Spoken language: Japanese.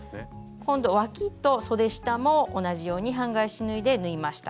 今度わきとそで下も同じように半返し縫いで縫いました。